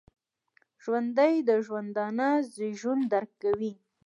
ژوندي د ژوندانه زیږون درک کوي